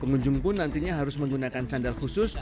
pengunjung pun nantinya harus menggunakan sandal khusus